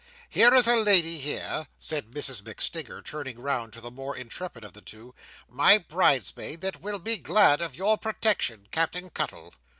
Here is a lady here," said Mrs MacStinger, turning round to the more intrepid of the two, "my bridesmaid, that will be glad of your protection, Cap'en Cuttle."